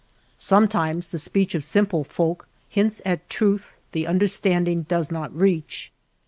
Sometimes the speech of simple folk hints at truth the understanding does not reach.